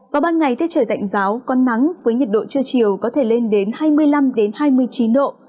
vào ban ngày tiết trời tạnh giáo có nắng với nhiệt độ trưa chiều có thể lên đến hai mươi năm hai mươi chín độ